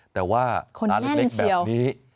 แต่ว่าร้านเล็กแบบนี้คนแห้นเชียว